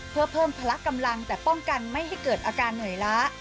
เพื่อเพิ่มพละกำลังแต่ป้องกันไม่ให้เกิดอาการเหนื่อยล้า